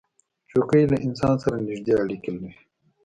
چوکۍ له انسان سره نزدې اړیکه لري.